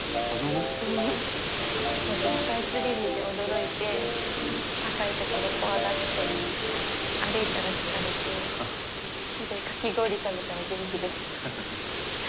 だってスカイツリー見て驚いて高いところ怖がって歩いたら疲れてかき氷食べたら元気出て。